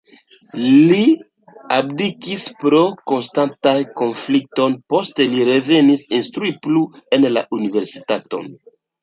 Li abdikis pro konstantaj konfliktoj, poste li revenis instrui plu en la universitaton.